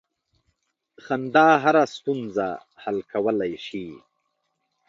• خندا هره ستونزه حل کولی شي.